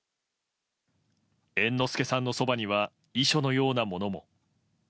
猿之助さんのそばには遺書のようなものも。